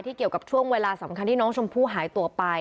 เกี่ยวกับช่วงเวลาสำคัญที่น้องชมพู่หายตัวไป